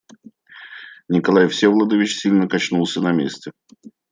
Николай Всеволодович сильно качнулся на месте.